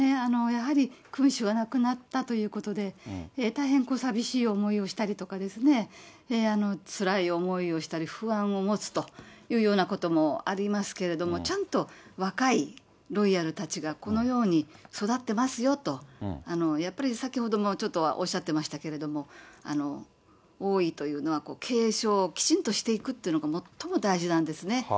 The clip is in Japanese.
やはり君主が亡くなったということで、大変寂しい思いをしたりとか、つらい思いをしたり、不安を持つというようなこともありますけれども、ちゃんと若いロイヤルたちが、このように育ってますよと、やっぱり先ほども、ちょっとおっしゃってましたけれども、王位というのは継承をきちんとしていくっていうのが、最も大事なんですね。